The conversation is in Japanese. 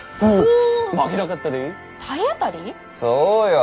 そうよ。